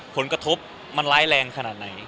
ผลกระทบมันร้ายแรงขนาดไหน